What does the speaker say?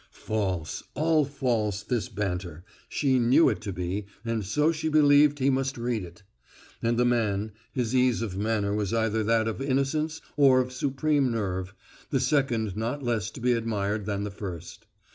False all false, this banter! She knew it to be, and so she believed he must read it. And the man his ease of manner was either that of innocence or of supreme nerve, the second not less to be admired than the first.